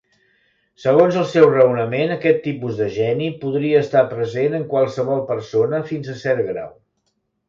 Segons el seu raonament, aquest tipus de geni podria estar present en qualsevol persona fins a cert grau.